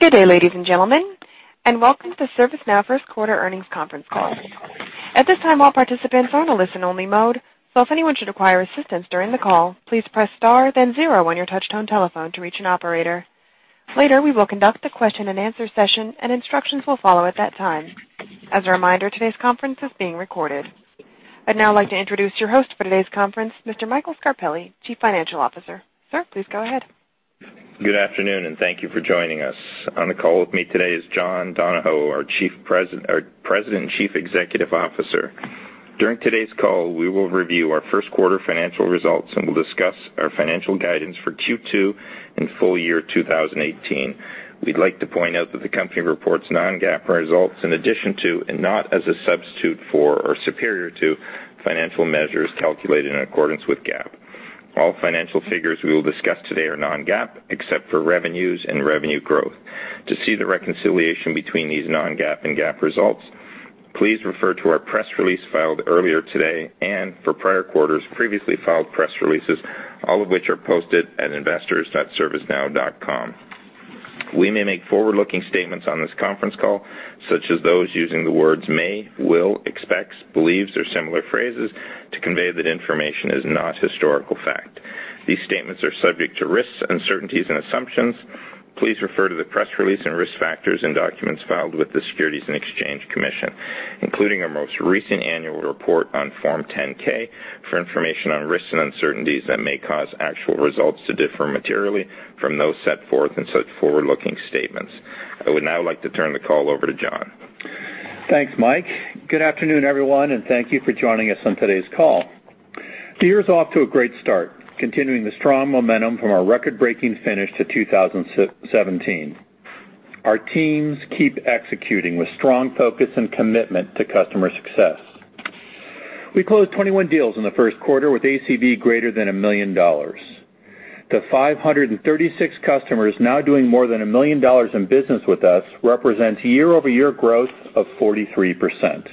Good day, ladies and gentlemen, and welcome to ServiceNow first quarter earnings conference call. At this time, all participants are in a listen-only mode. If anyone should require assistance during the call, please press star then zero on your touch-tone telephone to reach an operator. Later, we will conduct a question and answer session, and instructions will follow at that time. As a reminder, today's conference is being recorded. I'd now like to introduce your host for today's conference, Mr. Michael Scarpelli, Chief Financial Officer. Sir, please go ahead. Good afternoon. Thank you for joining us. On the call with me today is John Donahoe, our President and Chief Executive Officer. During today's call, we will review our first quarter financial results. We'll discuss our financial guidance for Q2 and full year 2018. We'd like to point out that the company reports non-GAAP results in addition to, and not as a substitute for or superior to, financial measures calculated in accordance with GAAP. All financial figures we will discuss today are non-GAAP, except for revenues and revenue growth. To see the reconciliation between these non-GAAP and GAAP results, please refer to our press release filed earlier today and for prior quarters previously filed press releases, all of which are posted at investors.servicenow.com. We may make forward-looking statements on this conference call, such as those using the words may, will, expects, believes, or similar phrases to convey that information is not historical fact. These statements are subject to risks, uncertainties, and assumptions. Please refer to the press release and risk factors in documents filed with the Securities and Exchange Commission, including our most recent annual report on Form 10-K, for information on risks and uncertainties that may cause actual results to differ materially from those set forth in such forward-looking statements. I would now like to turn the call over to John. Thanks, Mike. Good afternoon, everyone. Thank you for joining us on today's call. The year's off to a great start, continuing the strong momentum from our record-breaking finish to 2017. Our teams keep executing with strong focus and commitment to customer success. We closed 21 deals in the first quarter with ACV greater than $1 million. The 536 customers now doing more than $1 million in business with us represents year-over-year growth of 43%.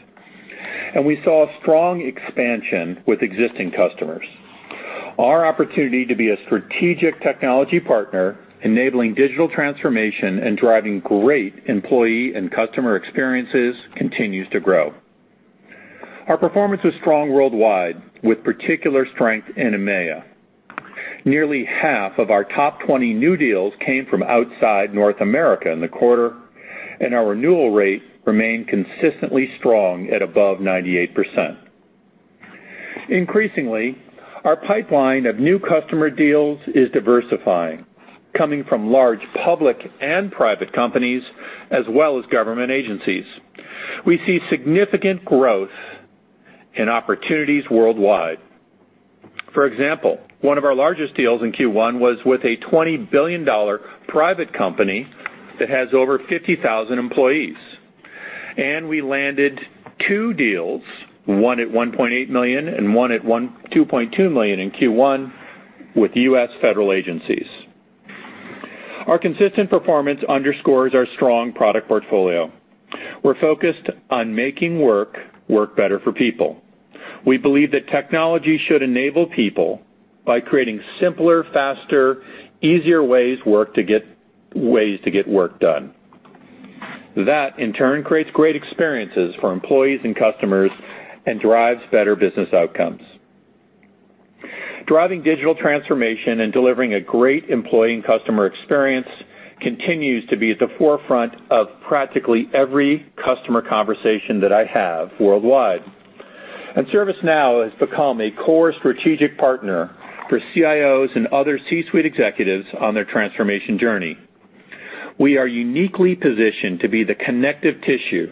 We saw a strong expansion with existing customers. Our opportunity to be a strategic technology partner, enabling digital transformation and driving great employee and customer experiences, continues to grow. Our performance was strong worldwide, with particular strength in EMEA. Nearly half of our top 20 new deals came from outside North America in the quarter. Our renewal rate remained consistently strong at above 98%. Increasingly, our pipeline of new customer deals is diversifying, coming from large public and private companies as well as government agencies. We see significant growth in opportunities worldwide. For example, one of our largest deals in Q1 was with a $20 billion private company that has over 50,000 employees. We landed two deals, one at $1.8 million and one at $2.2 million in Q1 with U.S. federal agencies. Our consistent performance underscores our strong product portfolio. We're focused on making work better for people. We believe that technology should enable people by creating simpler, faster, easier ways to get work done. That, in turn, creates great experiences for employees and customers and drives better business outcomes. Driving digital transformation and delivering a great employee and customer experience continues to be at the forefront of practically every customer conversation that I have worldwide. ServiceNow has become a core strategic partner for CIOs and other C-suite executives on their transformation journey. We are uniquely positioned to be the connective tissue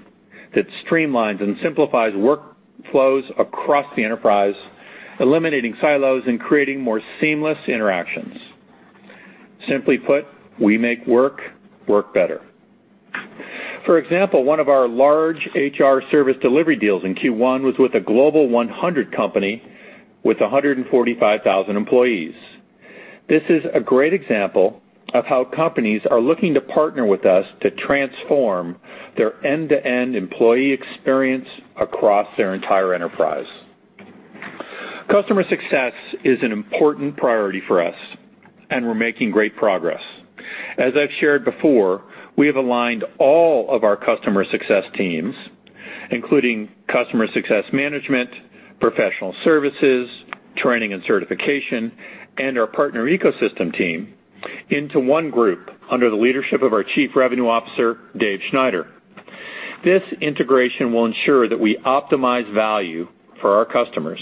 that streamlines and simplifies workflows across the enterprise, eliminating silos and creating more seamless interactions. Simply put, we make work better. For example, one of our large HR Service Delivery deals in Q1 was with a Global 2000 company with 145,000 employees. This is a great example of how companies are looking to partner with us to transform their end-to-end employee experience across their entire enterprise. Customer success is an important priority for us, and we're making great progress. As I've shared before, we have aligned all of our customer success teams, including customer success management, professional services, training and certification, and our partner ecosystem team, into one group under the leadership of our Chief Revenue Officer, David Schneider. This integration will ensure that we optimize value for our customers.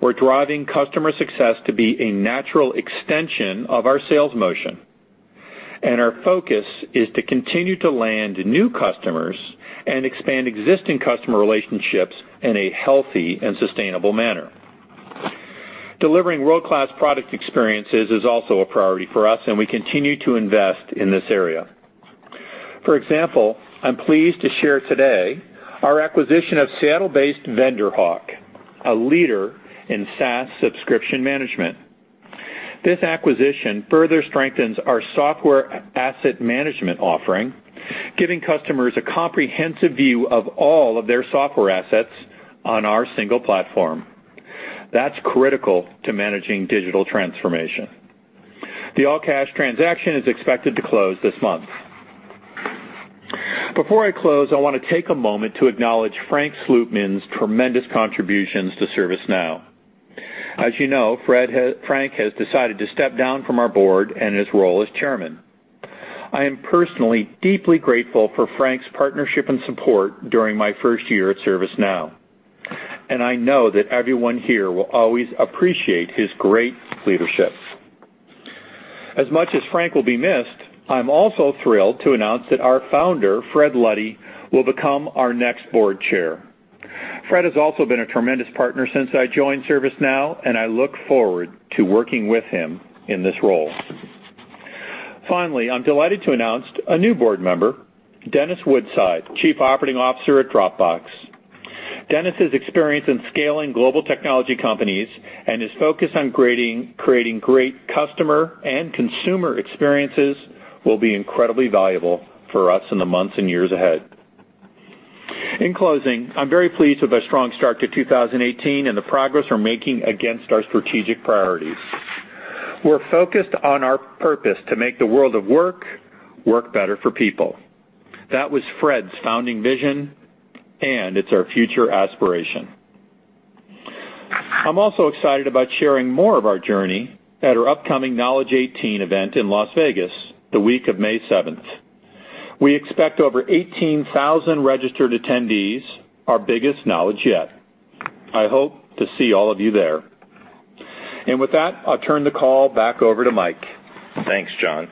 We're driving customer success to be a natural extension of our sales motion. Our focus is to continue to land new customers and expand existing customer relationships in a healthy and sustainable manner. Delivering world-class product experiences is also a priority for us, and we continue to invest in this area. For example, I'm pleased to share today our acquisition of Seattle-based VendorHawk, a leader in SaaS subscription management. This acquisition further strengthens our Software Asset Management offering, giving customers a comprehensive view of all of their software assets on our single platform. That's critical to managing digital transformation. The all-cash transaction is expected to close this month. Before I close, I want to take a moment to acknowledge Frank Slootman's tremendous contributions to ServiceNow. As you know, Frank has decided to step down from our board and his role as chairman. I am personally deeply grateful for Frank's partnership and support during my first year at ServiceNow, and I know that everyone here will always appreciate his great leadership. As much as Frank will be missed, I'm also thrilled to announce that our founder, Fred Luddy, will become our next board chair. Fred has also been a tremendous partner since I joined ServiceNow, and I look forward to working with him in this role. Finally, I'm delighted to announce a new board member, Dennis Woodside, Chief Operating Officer at Dropbox. Dennis's experience in scaling global technology companies and his focus on creating great customer and consumer experiences will be incredibly valuable for us in the months and years ahead. In closing, I'm very pleased with our strong start to 2018 and the progress we're making against our strategic priorities. We're focused on our purpose to make the world of work better for people. That was Fred's founding vision, and it's our future aspiration. I'm also excited about sharing more of our journey at our upcoming Knowledge18 event in Las Vegas the week of May 7th. We expect over 18,000 registered attendees, our biggest Knowledge yet. I hope to see all of you there. With that, I'll turn the call back over to Mike. Thanks, John.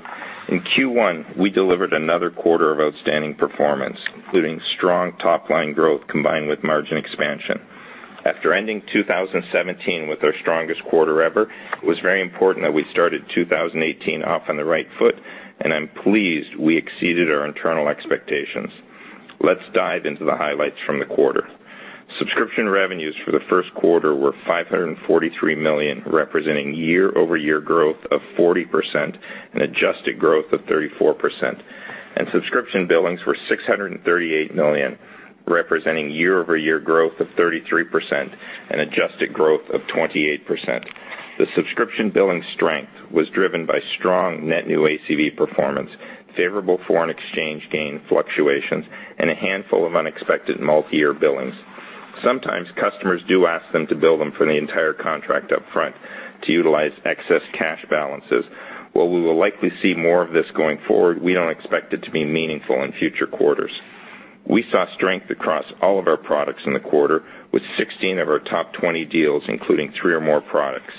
In Q1, we delivered another quarter of outstanding performance, including strong top-line growth combined with margin expansion. After ending 2017 with our strongest quarter ever, I'm pleased we exceeded our internal expectations. Let's dive into the highlights from the quarter. Subscription revenues for the first quarter were $543 million, representing year-over-year growth of 40% and adjusted growth of 34%. Subscription billings were $638 million, representing year-over-year growth of 33% and adjusted growth of 28%. The subscription billing strength was driven by strong net new ACV performance, favorable foreign exchange gain fluctuations, and a handful of unexpected multi-year billings. Sometimes customers do ask them to bill them for the entire contract up front to utilize excess cash balances. While we will likely see more of this going forward, we don't expect it to be meaningful in future quarters. We saw strength across all of our products in the quarter, with 16 of our top 20 deals including three or more products.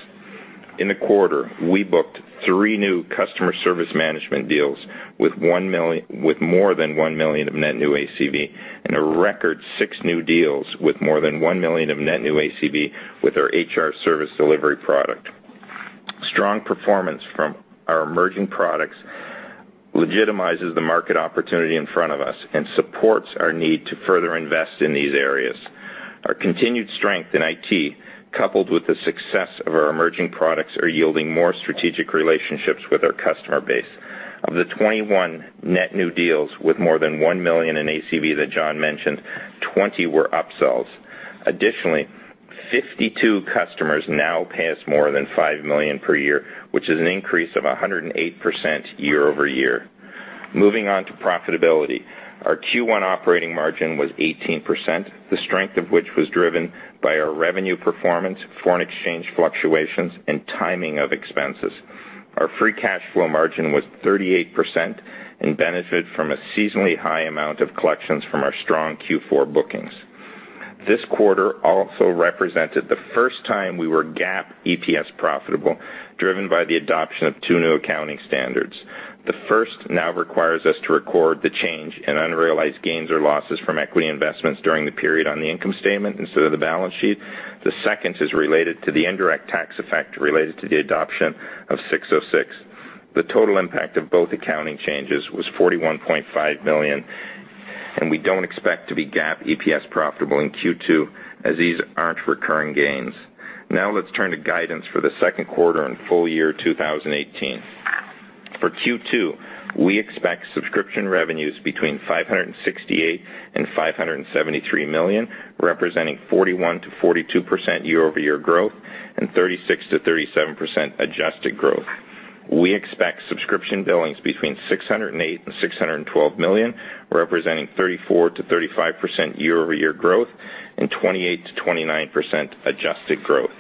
In the quarter, we booked three new Customer Service Management deals with more than $1 million of net new ACV and a record six new deals with more than $1 million of net new ACV with our HR Service Delivery product. Strong performance from our emerging products legitimizes the market opportunity in front of us and supports our need to further invest in these areas. Our continued strength in IT, coupled with the success of our emerging products, are yielding more strategic relationships with our customer base. Of the 21 net new deals with more than $1 million in ACV that John mentioned, 20 were upsells. Additionally, 52 customers now pay us more than $5 million per year, which is an increase of 108% year-over-year. Moving on to profitability. Our Q1 operating margin was 18%, the strength of which was driven by our revenue performance, foreign exchange fluctuations, and timing of expenses. Our free cash flow margin was 38% and benefit from a seasonally high amount of collections from our strong Q4 bookings. This quarter also represented the first time we were GAAP EPS profitable, driven by the adoption of two new accounting standards. The first now requires us to record the change in unrealized gains or losses from equity investments during the period on the income statement instead of the balance sheet. The second is related to the indirect tax effect related to the adoption of 606. The total impact of both accounting changes was $41.5 million. We don't expect to be GAAP EPS profitable in Q2, as these aren't recurring gains. Let's turn to guidance for the second quarter and full year 2018. For Q2, we expect subscription revenues between $568 million and $573 million, representing 41%-42% year-over-year growth and 36%-37% adjusted growth. We expect subscription billings between $608 million and $612 million, representing 34%-35% year-over-year growth and 28%-29% adjusted growth.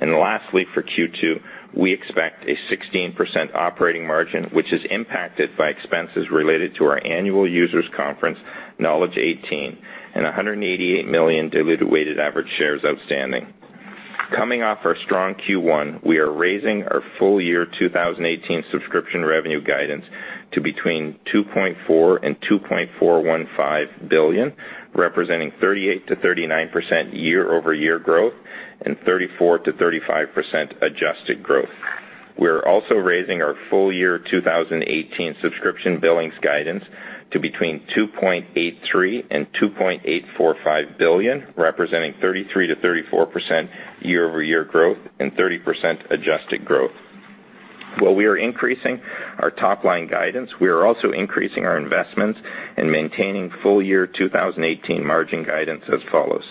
Lastly, for Q2, we expect a 16% operating margin, which is impacted by expenses related to our annual users conference, Knowledge18, and 188 million diluted weighted average shares outstanding. Coming off our strong Q1, we are raising our full year 2018 subscription revenue guidance to between $2.4 billion and $2.415 billion, representing 38%-39% year-over-year growth and 34%-35% adjusted growth. We're also raising our full year 2018 subscription billings guidance to between $2.83 billion and $2.845 billion, representing 33%-34% year-over-year growth and 30% adjusted growth. We are increasing our top-line guidance, we are also increasing our investments and maintaining full-year 2018 margin guidance as follows: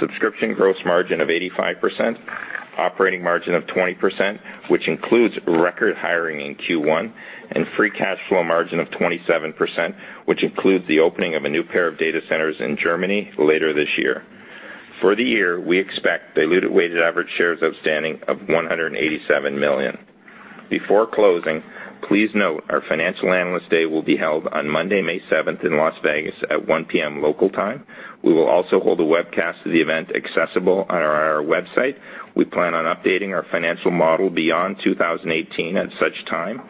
subscription gross margin of 85%, operating margin of 20%, which includes record hiring in Q1, and free cash flow margin of 27%, which includes the opening of a new pair of data centers in Germany later this year. For the year, we expect diluted weighted average shares outstanding of 187 million. Before closing, please note our financial analyst day will be held on Monday, May 7th in Las Vegas at 1:00 P.M. local time. We will also hold a webcast of the event accessible on our website. We plan on updating our financial model beyond 2018 at such time.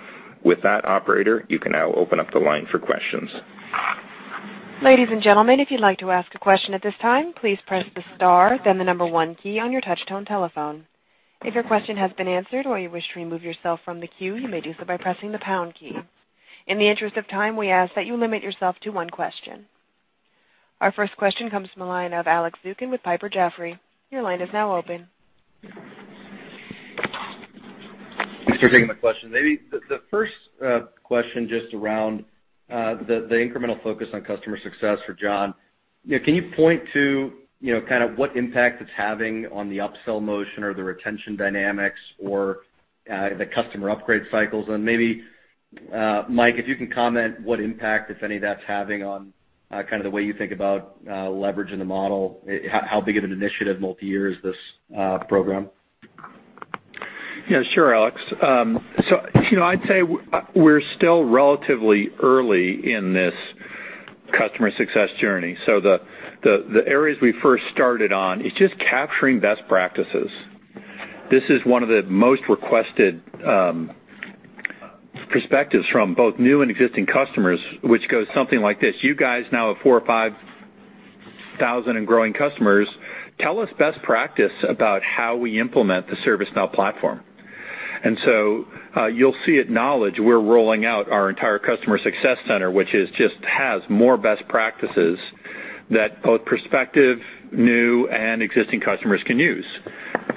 With that, operator, you can now open up the line for questions. Ladies and gentlemen, if you'd like to ask a question at this time, please press the star, then the number 1 key on your touch-tone telephone. Your question has been answered or you wish to remove yourself from the queue, you may do so by pressing the pound key. In the interest of time, we ask that you limit yourself to one question. Our first question comes from the line of Alex Zukin with Piper Jaffray. Your line is now open. Thanks for taking my question. Maybe the first question just around the incremental focus on Customer Success for John. Can you point to what impact it's having on the upsell motion or the retention dynamics or the customer upgrade cycles? Maybe, Mike, if you can comment what impact, if any, that's having on the way you think about leveraging the model, how big of an initiative multi-year is this program? Yeah, sure, Alex. I'd say we're still relatively early in this Customer Success journey. The areas we first started on, it's just capturing best practices. This is one of the most requested perspectives from both new and existing customers, which goes something like this. You guys now have 4,000 or 5,000 and growing customers. Tell us best practice about how we implement the ServiceNow platform. You'll see at Knowledge, we're rolling out our entire Customer Success Center, which just has more best practices that both prospective, new, and existing customers can use.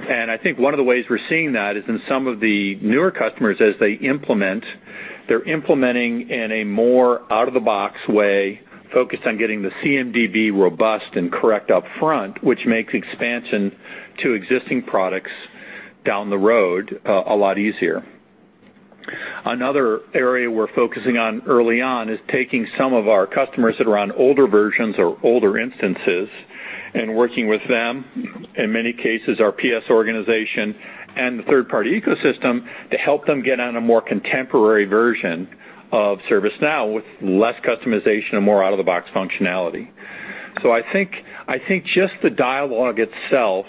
I think one of the ways we're seeing that is in some of the newer customers as they implement, they're implementing in a more out-of-the-box way, focused on getting the CMDB robust and correct up front, which makes expansion to existing products down the road a lot easier. Another area we're focusing on early on is taking some of our customers that are on older versions or older instances and working with them, in many cases, our PS organization and the third-party ecosystem to help them get on a more contemporary version of ServiceNow with less customization and more out-of-the-box functionality. I think just the dialogue itself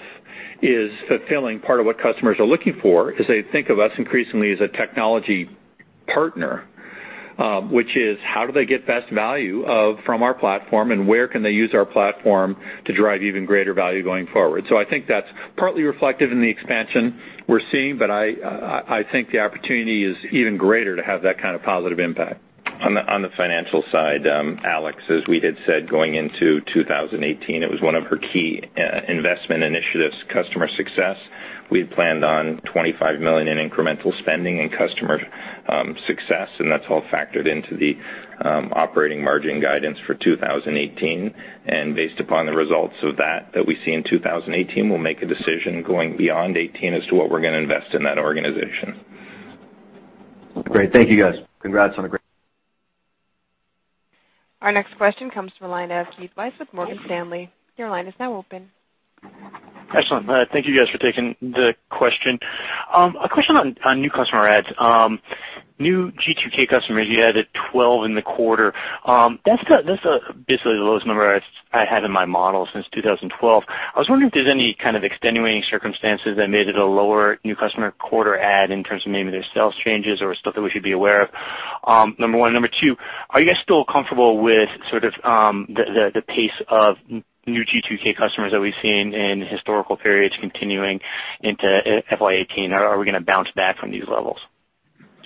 is fulfilling part of what customers are looking for as they think of us increasingly as a technology partner, which is how do they get best value from our platform, and where can they use our platform to drive even greater value going forward? I think that's partly reflected in the expansion we're seeing, but I think the opportunity is even greater to have that kind of positive impact. On the financial side, Alex, as we had said, going into 2018, it was one of our key investment initiatives, Customer Success. We had planned on $25 million in incremental spending in Customer Success, that's all factored into the operating margin guidance for 2018. Based upon the results of that we see in 2018, we'll make a decision going beyond 2018 as to what we're going to invest in that organization. Great. Thank you, guys. Our next question comes from the line of Keith Weiss with Morgan Stanley. Your line is now open. Excellent. Thank you, guys, for taking the question. A question on new customer adds. New G2K customers, you added 12 in the quarter. That's basically the lowest number I had in my model since 2012. I was wondering if there's any kind of extenuating circumstances that made it a lower new customer quarter add in terms of maybe their sales changes or stuff that we should be aware of, number 1. Number 2, are you guys still comfortable with sort of the pace of new G2K customers that we've seen in historical periods continuing into FY 2018, or are we going to bounce back from these levels?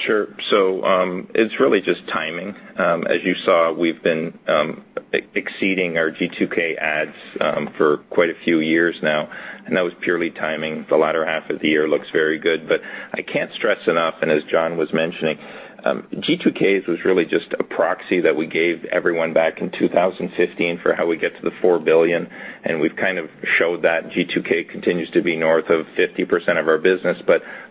Sure. It's really just timing. As you saw, we've been exceeding our G2K adds for quite a few years now, and that was purely timing. The latter half of the year looks very good. I can't stress enough, and as John was mentioning, G2K was really just a proxy that we gave everyone back in 2015 for how we get to the $4 billion, and we've kind of showed that G2K continues to be north of 50% of our business.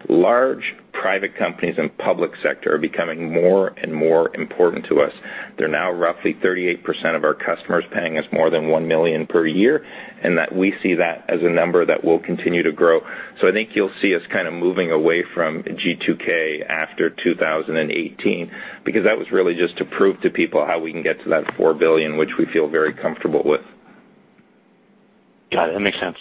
Large private companies and public sector are becoming more and more important to us. They're now roughly 38% of our customers paying us more than $1 million per year, and that we see that as a number that will continue to grow. I think you'll see us kind of moving away from G2K after 2018, because that was really just to prove to people how we can get to that $4 billion, which we feel very comfortable with. Got it. That makes sense.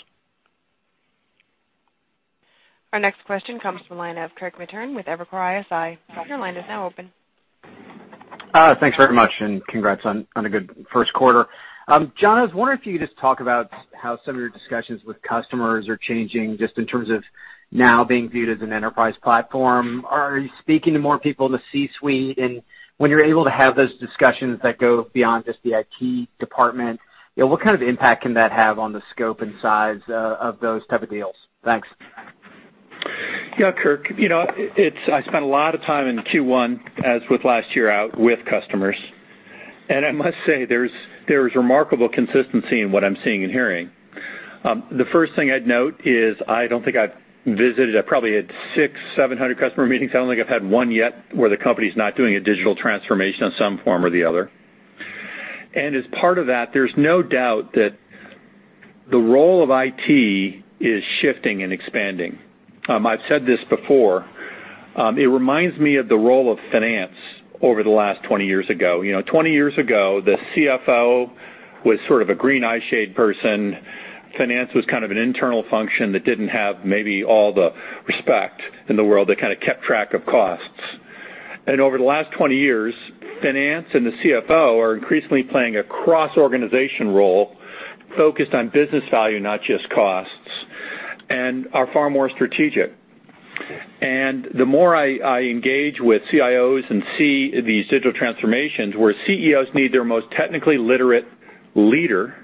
Our next question comes from the line of Kirk Materne with Evercore ISI. Your line is now open. Thanks very much, and congrats on a good first quarter. John, I was wondering if you could just talk about how some of your discussions with customers are changing, just in terms of now being viewed as an enterprise platform. Are you speaking to more people in the C-suite? When you're able to have those discussions that go beyond just the IT department, what kind of impact can that have on the scope and size of those type of deals? Thanks. Yeah, Kirk. I spent a lot of time in Q1, as with last year, out with customers, and I must say there's remarkable consistency in what I'm seeing and hearing. The first thing I'd note is I don't think I've visited, I probably had 600, 700 customer meetings. I don't think I've had one yet where the company's not doing a digital transformation of some form or the other. As part of that, there's no doubt that the role of IT is shifting and expanding. I've said this before. It reminds me of the role of finance over the last 20 years ago. 20 years ago, the CFO was sort of a green eyeshade person. Finance was kind of an internal function that didn't have maybe all the respect in the world, that kind of kept track of costs. Over the last 20 years, finance and the CFO are increasingly playing a cross-organization role focused on business value, not just costs, and are far more strategic. The more I engage with CIOs and see these digital transformations where CEOs need their most technically literate leader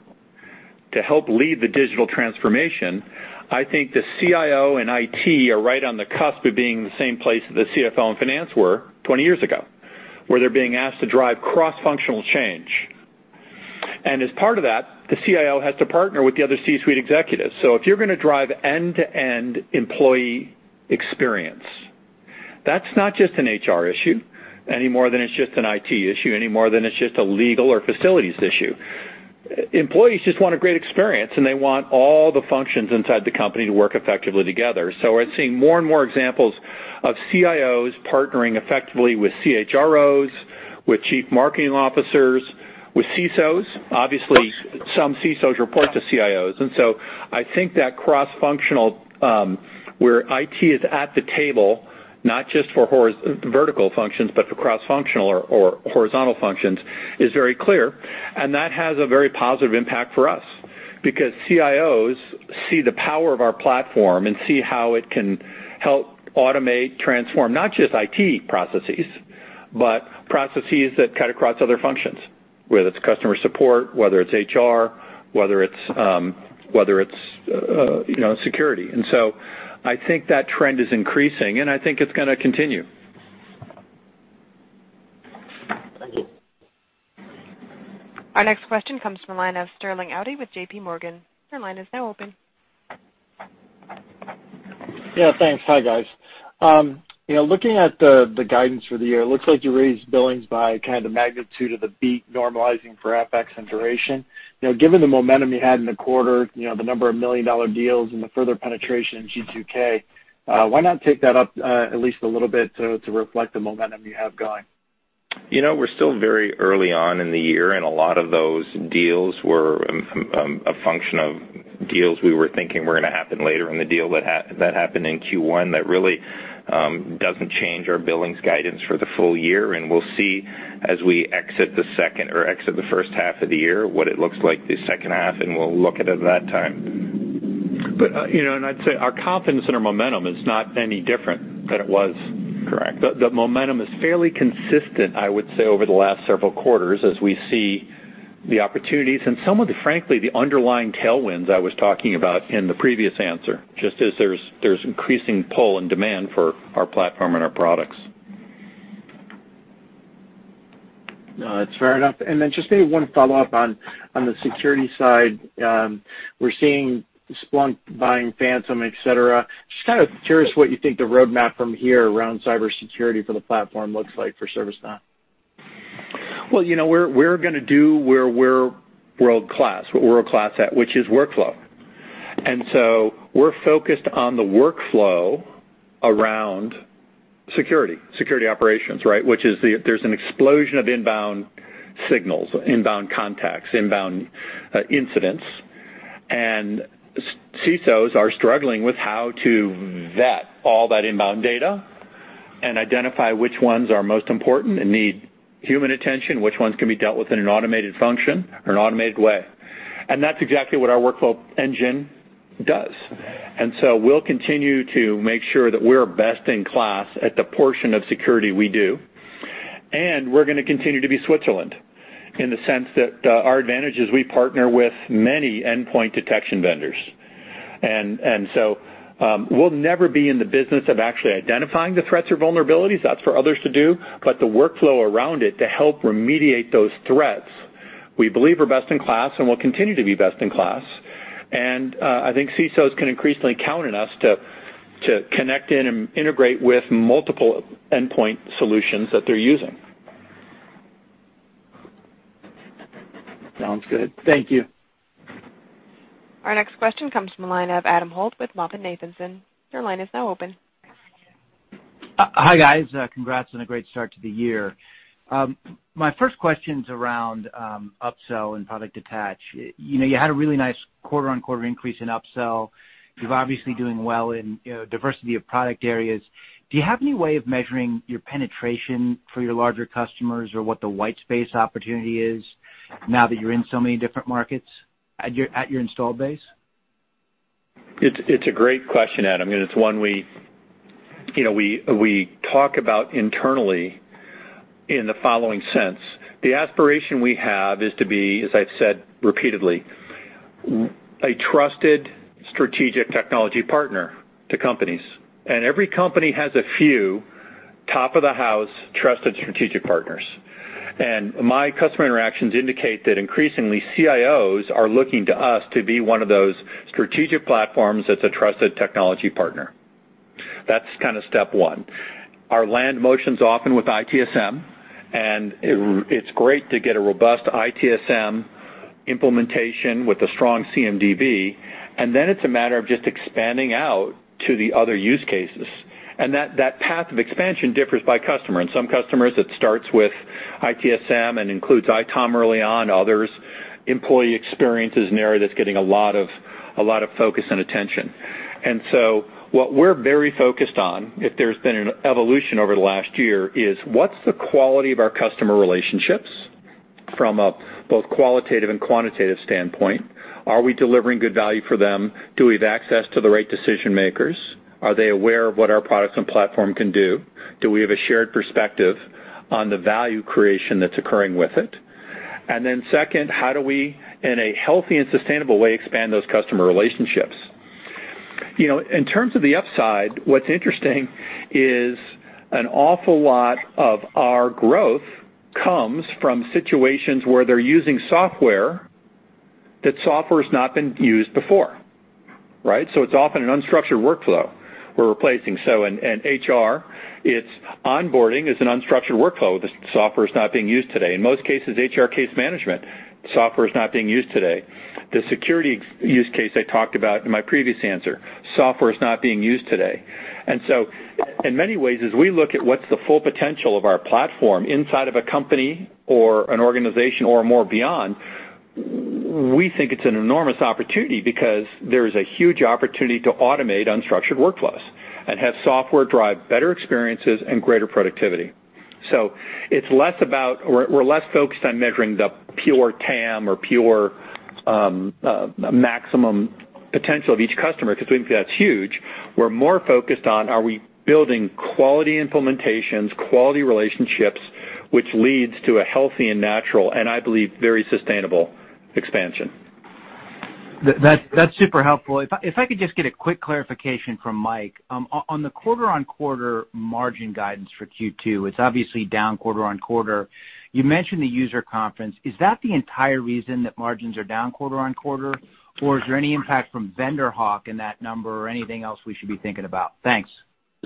to help lead the digital transformation, I think the CIO and IT are right on the cusp of being in the same place that the CFO and finance were 20 years ago, where they're being asked to drive cross-functional change. As part of that, the CIO has to partner with the other C-suite executives. If you're going to drive end-to-end employee experience, that's not just an HR issue any more than it's just an IT issue, any more than it's just a legal or facilities issue. Employees just want a great experience. They want all the functions inside the company to work effectively together. We're seeing more and more examples of CIOs partnering effectively with CHROs, with chief marketing officers, with CISOs. Obviously, some CISOs report to CIOs. I think that cross-functional, where IT is at the table, not just for vertical functions, but for cross-functional or horizontal functions, is very clear. That has a very positive impact for us because CIOs see the power of our platform and see how it can help automate, transform, not just IT processes, but processes that cut across other functions, whether it's customer support, whether it's HR, whether it's security. I think that trend is increasing, and I think it's going to continue. Thank you. Our next question comes from the line of Sterling Auty with J.P. Morgan. Your line is now open. Yeah, thanks. Hi, guys. Looking at the guidance for the year, it looks like you raised billings by kind of the magnitude of the beat normalizing for FX and duration. Given the momentum you had in the quarter, the number of million-dollar deals and the further penetration in G2K, why not take that up at least a little bit to reflect the momentum you have going? We're still very early on in the year. A lot of those deals were a function of deals we were thinking were going to happen later in the deal that happened in Q1 that really doesn't change our billings guidance for the full year. We'll see as we exit the first half of the year what it looks like the second half. We'll look at it that time. I'd say our confidence in our momentum is not any different than it was. Correct. The momentum is fairly consistent, I would say, over the last several quarters as we see the opportunities and some of the, frankly, underlying tailwinds I was talking about in the previous answer, just as there's increasing pull and demand for our platform and our products. No, that's fair enough. Just maybe one follow-up on the security side. We're seeing Splunk buying Phantom, et cetera. Kind of curious what you think the roadmap from here around cybersecurity for the platform looks like for ServiceNow. We're going to do where we're world-class, what we're world-class at, which is workflow. We're focused on the workflow around security operations, right? Which is there's an explosion of inbound signals, inbound contacts, inbound incidents, and CISOs are struggling with how to vet all that inbound data and identify which ones are most important and need human attention, which ones can be dealt with in an automated function or an automated way. That's exactly what our workflow engine does. We'll continue to make sure that we're best in class at the portion of security we do, and we're going to continue to be Switzerland, in the sense that our advantage is we partner with many endpoint detection vendors. We'll never be in the business of actually identifying the threats or vulnerabilities. That's for others to do. The workflow around it to help remediate those threats, we believe are best in class and will continue to be best in class, and I think CISOs can increasingly count on us to connect in and integrate with multiple endpoint solutions that they're using. Sounds good. Thank you. Our next question comes from the line of Adam Holt with MoffettNathanson. Your line is now open. Hi, guys. Congrats on a great start to the year. My first question's around upsell and product attach. You had a really nice quarter-on-quarter increase in upsell. You're obviously doing well in diversity of product areas. Do you have any way of measuring your penetration for your larger customers or what the white space opportunity is now that you're in so many different markets at your installed base? It's a great question, Adam, and it's one we talk about internally in the following sense, the aspiration we have is to be, as I've said repeatedly, a trusted strategic technology partner to companies. Every company has a few top-of-the-house trusted strategic partners. My customer interactions indicate that increasingly, CIOs are looking to us to be one of those strategic platforms that's a trusted technology partner. That's kind of step one. Our land motion's often with ITSM, and it's great to get a robust ITSM implementation with a strong CMDB, and then it's a matter of just expanding out to the other use cases. That path of expansion differs by customer. In some customers, it starts with ITSM and includes ITOM early on. Others, employee experience is an area that's getting a lot of focus and attention. What we're very focused on, if there's been an evolution over the last year, is what's the quality of our customer relationships from a both qualitative and quantitative standpoint? Are we delivering good value for them? Do we have access to the right decision-makers? Are they aware of what our products and platform can do? Do we have a shared perspective on the value creation that's occurring with it? Second, how do we, in a healthy and sustainable way, expand those customer relationships? In terms of the upside, what's interesting is an awful lot of our growth comes from situations where they're using software, that software's not been used before, right? It's often an unstructured workflow we're replacing. In HR, it's onboarding is an unstructured workflow. The software's not being used today. In most cases, HR case management software's not being used today. The security use case I talked about in my previous answer, software's not being used today. In many ways, as we look at what's the full potential of our platform inside of a company or an organization or more beyond, we think it's an enormous opportunity because there is a huge opportunity to automate unstructured workflows and have software drive better experiences and greater productivity. We're less focused on measuring the pure TAM or pure maximum potential of each customer, because we think that's huge. We're more focused on are we building quality implementations, quality relationships, which leads to a healthy and natural, and I believe, very sustainable expansion. That's super helpful. If I could just get a quick clarification from Mike. On the quarter-on-quarter margin guidance for Q2, it's obviously down quarter-on-quarter. You mentioned the user conference. Is that the entire reason that margins are down quarter-on-quarter, or is there any impact from VendorHawk in that number or anything else we should be thinking about? Thanks.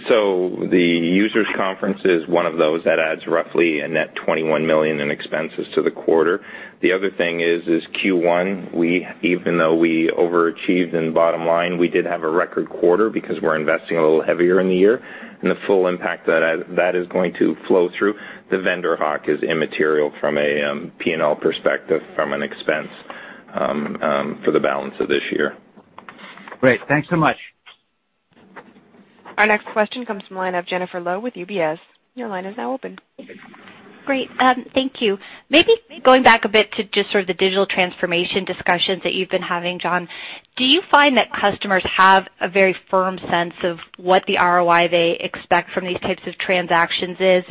The users conference is one of those that adds roughly a net $21 million in expenses to the quarter. The other thing is Q1, even though we overachieved in bottom line, we did have a record quarter because we're investing a little heavier in the year, and the full impact that is going to flow through. The VendorHawk is immaterial from a P&L perspective from an expense for the balance of this year. Great. Thanks so much. Our next question comes from the line of Jennifer Lowe with UBS. Your line is now open. Great. Thank you. Maybe going back a bit to just sort of the digital transformation discussions that you've been having, John, do you find that customers have a very firm sense of what the ROI they expect from these types of transactions is?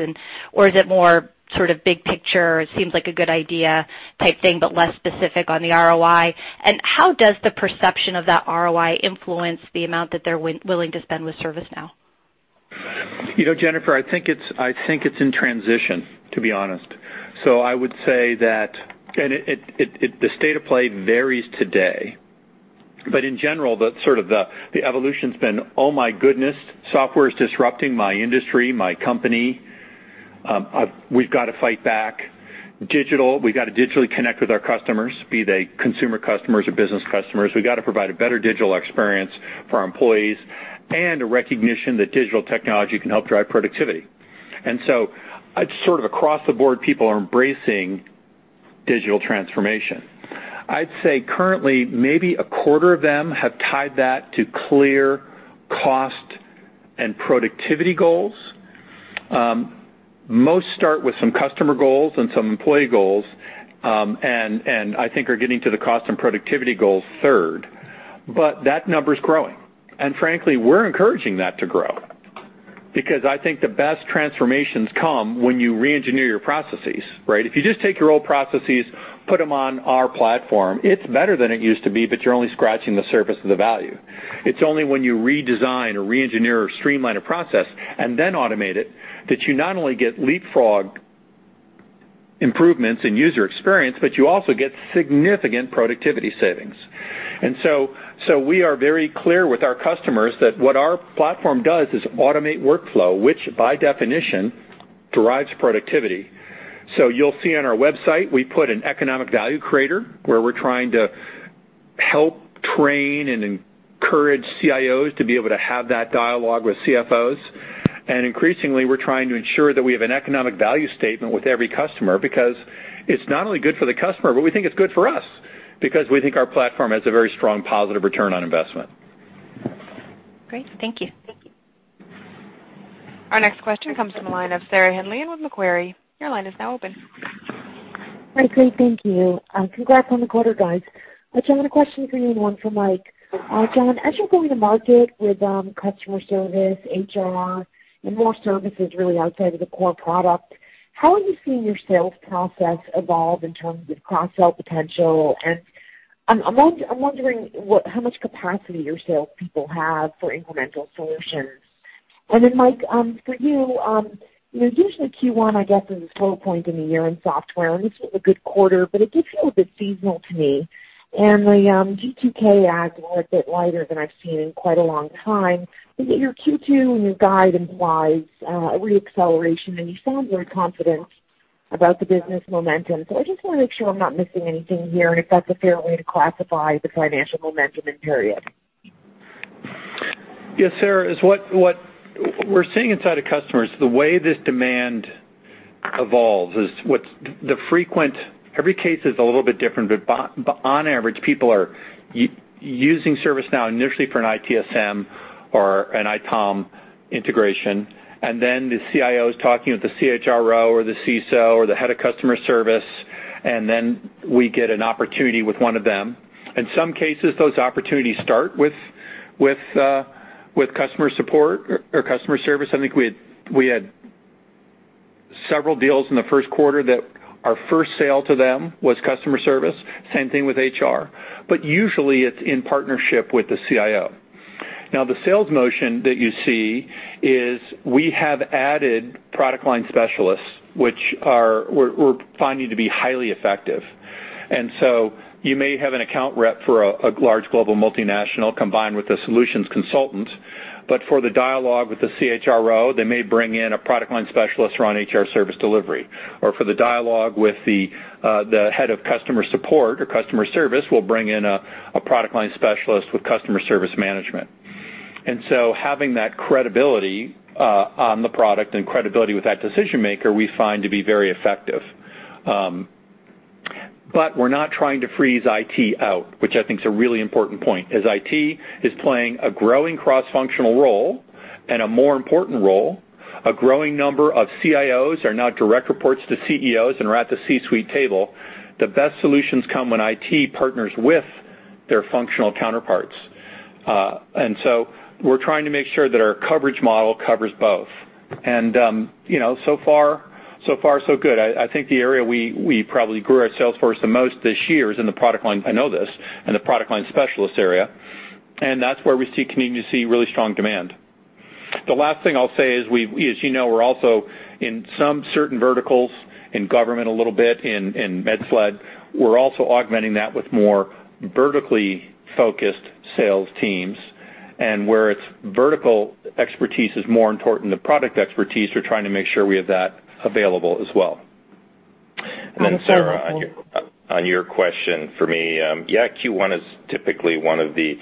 Or is it more sort of big picture, it seems like a good idea type thing, but less specific on the ROI? How does the perception of that ROI influence the amount that they're willing to spend with ServiceNow? Jennifer, I think it's in transition, to be honest. I would say that the state of play varies today, but in general, the evolution's been, "Oh my goodness, software is disrupting my industry, my company. We've got to fight back. We've got to digitally connect with our customers, be they consumer customers or business customers. We've got to provide a better digital experience for our employees," and a recognition that digital technology can help drive productivity. Sort of across the board, people are embracing digital transformation. I'd say currently, maybe a quarter of them have tied that to clear cost and productivity goals. Most start with some customer goals and some employee goals, and I think are getting to the cost and productivity goals third. That number's growing. Frankly, we're encouraging that to grow, because I think the best transformations come when you reengineer your processes, right? If you just take your old processes, put them on our platform, it's better than it used to be, but you're only scratching the surface of the value. It's only when you redesign or reengineer or streamline a process and then automate it that you not only get leapfrog improvements in user experience, but you also get significant productivity savings. We are very clear with our customers that what our platform does is automate workflow, which by definition drives productivity. You'll see on our website, we put an economic value creator where we're trying to help train and encourage CIOs to be able to have that dialogue with CFOs. Increasingly, we're trying to ensure that we have an economic value statement with every customer, because it's not only good for the customer, but we think it's good for us because we think our platform has a very strong positive return on investment. Great. Thank you. Our next question comes from the line of Sarah Hindlian with Macquarie. Your line is now open. Great. Thank you. Congrats on the quarter, guys. John, a question for you and one for Mike. John, as you're going to market with Customer Service, HR, and more services really outside of the core product, how have you seen your sales process evolve in terms of cross-sell potential? I'm wondering how much capacity your salespeople have for incremental solutions. Mike, for you, usually Q1, I guess, is a slow point in the year in software, and this was a good quarter, but it gets a little bit seasonal to me. The G2K adds were a bit lighter than I've seen in quite a long time. Your Q2 and your guide implies a re-acceleration, and you sound very confident about the business momentum. I just want to make sure I'm not missing anything here, and if that's a fair way to classify the financial momentum in period. Yes, Sarah, what we're seeing inside of customers, the way this demand evolves is every case is a little bit different, but on average, people are using ServiceNow initially for an ITSM or an ITOM integration, then the CIO is talking with the CHRO or the CISO or the head of customer service, and then we get an opportunity with one of them. In some cases, those opportunities start with customer support or customer service. I think we had several deals in the first quarter that our first sale to them was customer service. Same thing with HR. Usually it's in partnership with the CIO. The sales motion that you see is we have added product line specialists, which we're finding to be highly effective. You may have an account rep for a large global multinational combined with a solutions consultant, but for the dialogue with the CHRO, they may bring in a product line specialist around HR Service Delivery. Or for the dialogue with the head of customer support or customer service, we'll bring in a product line specialist with Customer Service Management. Having that credibility on the product and credibility with that decision maker, we find to be very effective. We're not trying to freeze IT out, which I think is a really important point, as IT is playing a growing cross-functional role and a more important role. A growing number of CIOs are now direct reports to CEOs and are at the C-suite table. The best solutions come when IT partners with their functional counterparts. We're trying to make sure that our coverage model covers both. So far so good. I think the area we probably grew our sales force the most this year is in the product line. I know this, in the product line specialist area, and that's where we continue to see really strong demand. The last thing I'll say is, as you know, we're also in some certain verticals in government a little bit, in Med Sled. We're also augmenting that with more vertically focused sales teams, and where its vertical expertise is more important than product expertise, we're trying to make sure we have that available as well. Wonderful. Sarah, on your question for me, yeah, Q1 is typically one of the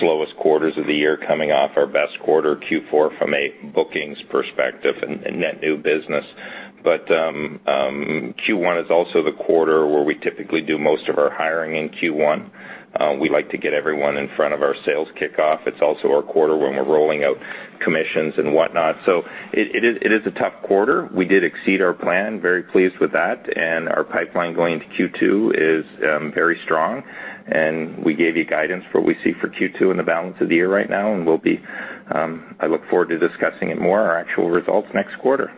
slowest quarters of the year, coming off our best quarter, Q4, from a bookings perspective and net new business. Q1 is also the quarter where we typically do most of our hiring in Q1. We like to get everyone in front of our sales kickoff. It's also our quarter when we're rolling out commissions and whatnot. It is a tough quarter. We did exceed our plan, very pleased with that. Our pipeline going into Q2 is very strong. We gave you guidance for what we see for Q2 and the balance of the year right now. I look forward to discussing it more, our actual results next quarter.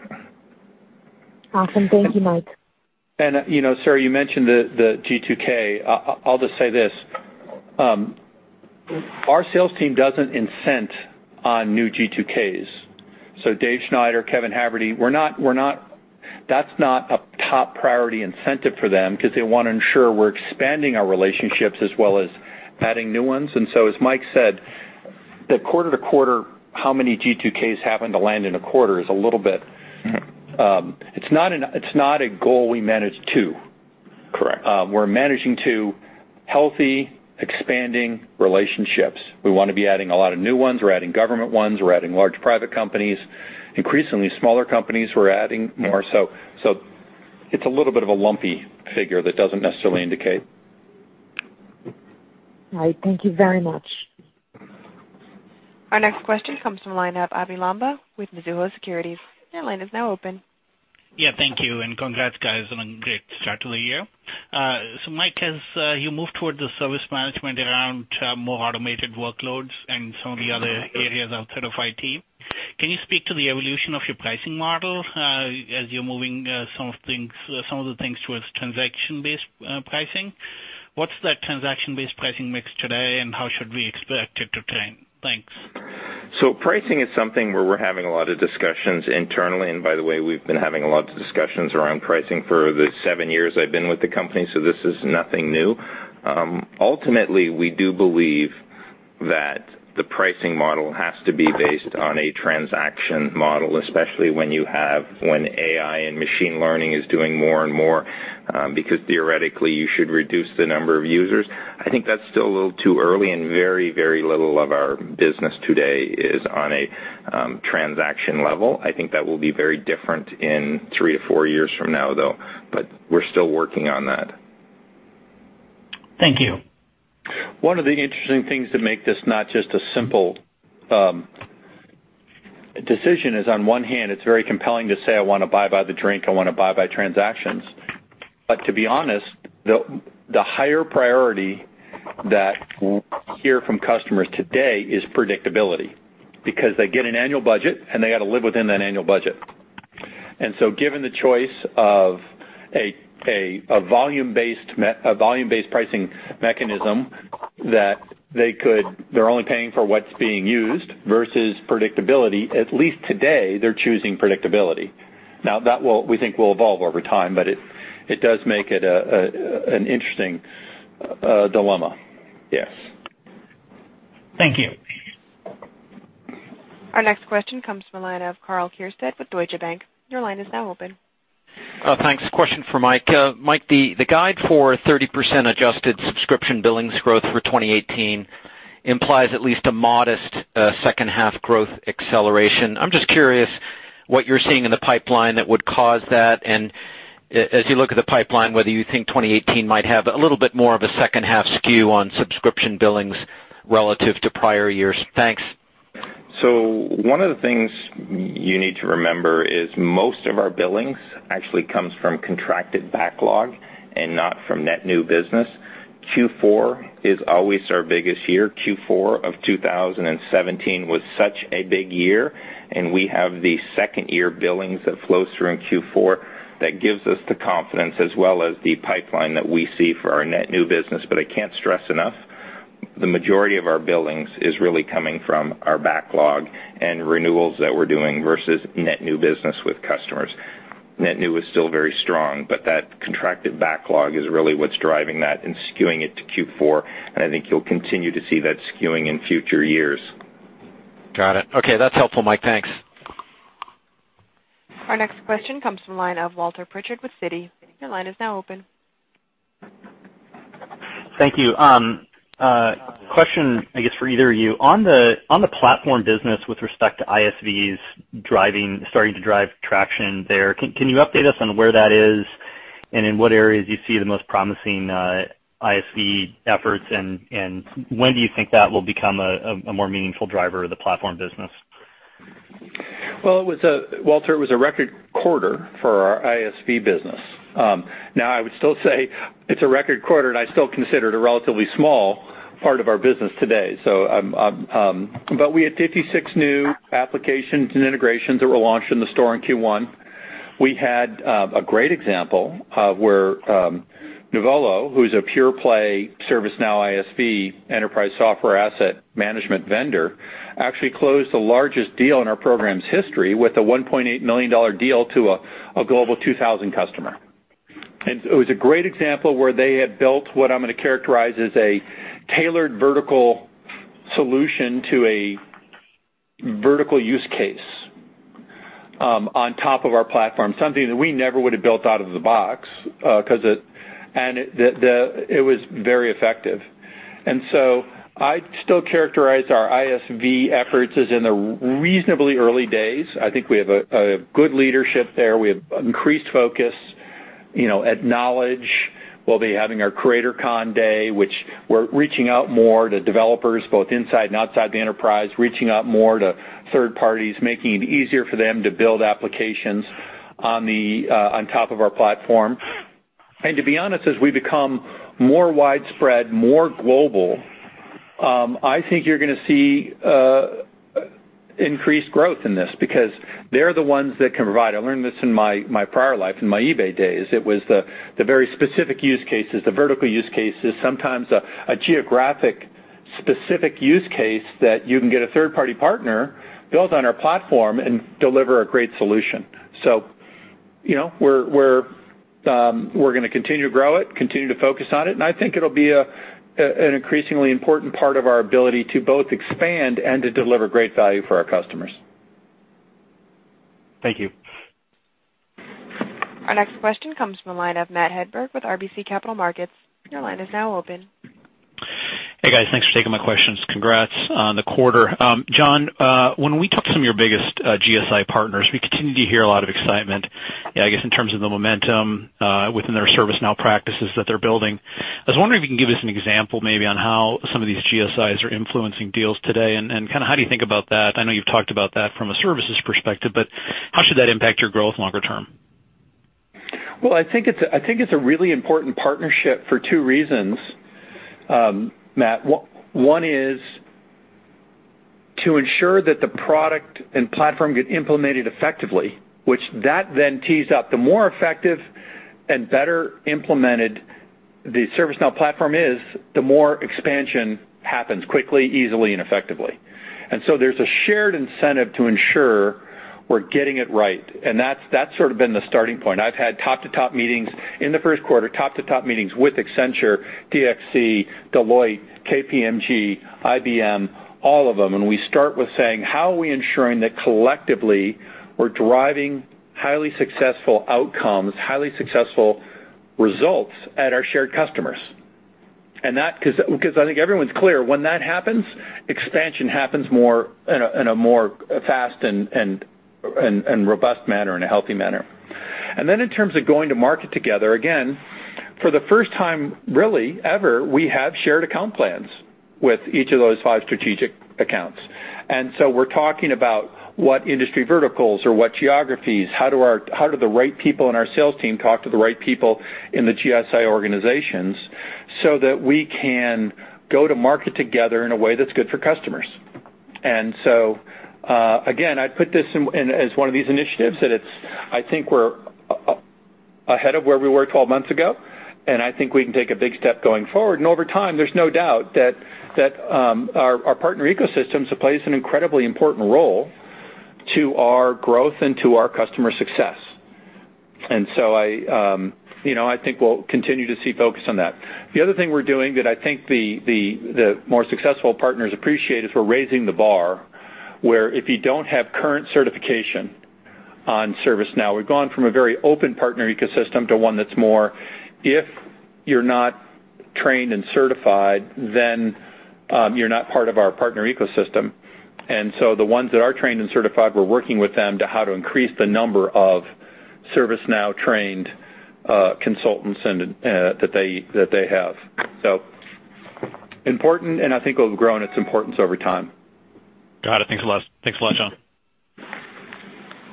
Awesome. Thank you, Mike. Sarah, you mentioned the G2K. I'll just say this. Our sales team doesn't incent on new G2Ks. David Schneider, Kevin Haverty, that's not a top priority incentive for them because they want to ensure we're expanding our relationships as well as adding new ones. As Mike said, the quarter to quarter, how many G2Ks happen to land in a quarter is a little bit. It's not a goal we manage to. Correct. We're managing to healthy, expanding relationships. We want to be adding a lot of new ones. We're adding government ones. We're adding large private companies. Increasingly smaller companies, we're adding more. It's a little bit of a lumpy figure that doesn't necessarily indicate. All right. Thank you very much. Our next question comes from the line of Abhey Lamba with Mizuho Securities. Your line is now open. Thank you, and congrats, guys, on a great start to the year. Mike, as you move toward the service management around more automated workloads and some of the other areas outside of IT, can you speak to the evolution of your pricing model as you're moving some of the things towards transaction-based pricing? What's that transaction-based pricing mix today, and how should we expect it to trend? Thanks. Pricing is something where we're having a lot of discussions internally, and by the way, we've been having a lot of discussions around pricing for the seven years I've been with the company, so this is nothing new. Ultimately, we do believe that the pricing model has to be based on a transaction model, especially when AI and machine learning is doing more and more, because theoretically, you should reduce the number of users. I think that's still a little too early, and very, very little of our business today is on a transaction level. I think that will be very different in three to four years from now, though. We're still working on that. Thank you. One of the interesting things that make this not just a simple decision is on one hand, it's very compelling to say, "I want to buy by the drink. I want to buy by transactions." To be honest, the higher priority that we hear from customers today is predictability, because they get an annual budget, and they got to live within that annual budget. So given the choice of a volume-based pricing mechanism that they're only paying for what's being used versus predictability, at least today, they're choosing predictability. Now, that we think will evolve over time, but it does make it an interesting dilemma. Yes. Thank you. Our next question comes from the line of Karl Keirstead with Deutsche Bank. Your line is now open. Thanks. Question for Mike. Mike, the guide for 30% adjusted subscription billings growth for 2018 implies at least a modest second half growth acceleration. I'm just curious what you're seeing in the pipeline that would cause that, and as you look at the pipeline, whether you think 2018 might have a little bit more of a second half skew on subscription billings relative to prior years. Thanks. One of the things you need to remember is most of our billings actually comes from contracted backlog and not from net new business. Q4 is always our biggest year. Q4 of 2017 was such a big year, and we have the second-year billings that flows through in Q4 that gives us the confidence as well as the pipeline that we see for our net new business. I can't stress enough, the majority of our billings is really coming from our backlog and renewals that we're doing versus net new business with customers. Net new is still very strong, but that contracted backlog is really what's driving that and skewing it to Q4. I think you'll continue to see that skewing in future years. Got it. Okay. That's helpful, Mike. Thanks. Our next question comes from the line of Walter Pritchard with Citi. Your line is now open. Thank you. Question, I guess, for either of you. On the platform business with respect to ISVs starting to drive traction there, can you update us on where that is and in what areas you see the most promising ISV efforts, and when do you think that will become a more meaningful driver of the platform business? Well, Walter, it was a record quarter for our ISV business. Now, I would still say it's a record quarter, and I still consider it a relatively small part of our business today. We had 56 new applications and integrations that were launched in the store in Q1. We had a great example where Nuvolo, who's a pure play ServiceNow ISV enterprise software asset management vendor, actually closed the largest deal in our program's history with a $1.8 million deal to a Global 2000 customer. It was a great example where they had built what I'm going to characterize as a tailored vertical solution to a vertical use case on top of our platform, something that we never would have built out of the box, and it was very effective. I'd still characterize our ISV efforts as in the reasonably early days. I think we have a good leadership there. We have increased focus. At Knowledge, we'll be having our CreatorCon day, which we're reaching out more to developers, both inside and outside the enterprise, reaching out more to third parties, making it easier for them to build applications on top of our platform. To be honest, as we become more widespread, more global, I think you're going to see increased growth in this because they're the ones that I learned this in my prior life, in my eBay days. It was the very specific use cases, the vertical use cases, sometimes a geographic-specific use case that you can get a third-party partner build on our platform and deliver a great solution. We're going to continue to grow it, continue to focus on it, and I think it'll be an increasingly important part of our ability to both expand and to deliver great value for our customers. Thank you. Our next question comes from the line of Matthew Hedberg with RBC Capital Markets. Your line is now open. Hey, guys. Thanks for taking my questions. Congrats on the quarter. John, when we talk to some of your biggest GSI partners, we continue to hear a lot of excitement, I guess, in terms of the momentum within their ServiceNow practices that they're building. I was wondering if you can give us an example maybe on how some of these GSIs are influencing deals today, and how do you think about that? I know you've talked about that from a services perspective, but how should that impact your growth longer term? Well, I think it's a really important partnership for two reasons, Matt. One is to ensure that the product and platform get implemented effectively, which that then tees up. The more effective and better implemented the ServiceNow platform is, the more expansion happens quickly, easily, and effectively. There's a shared incentive to ensure we're getting it right, and that's sort of been the starting point. I've had top-to-top meetings in the first quarter, top-to-top meetings with Accenture, DXC, Deloitte, KPMG, IBM, all of them, and we start with saying, how are we ensuring that collectively we're driving highly successful outcomes, highly successful results at our shared customers? I think everyone's clear when that happens, expansion happens in a more fast and robust manner, in a healthy manner. In terms of going to market together, again, for the first time really ever, we have shared account plans with each of those five strategic accounts. We're talking about what industry verticals or what geographies, how do the right people in our sales team talk to the right people in the GSI organizations, so that we can go to market together in a way that's good for customers. Again, I put this in as one of these initiatives that it's, I think we're ahead of where we were 12 months ago, and I think we can take a big step going forward. Over time, there's no doubt that our partner ecosystems plays an incredibly important role to our growth and to our customer success. I think we'll continue to see focus on that. The other thing we're doing that I think the more successful partners appreciate is we're raising the bar, where if you don't have current certification on ServiceNow, we've gone from a very open partner ecosystem to one that's more, if you're not trained and certified, then you're not part of our partner ecosystem. The ones that are trained and certified, we're working with them to how to increase the number of ServiceNow-trained consultants that they have. So important, and I think will grow in its importance over time. Got it. Thanks a lot, John.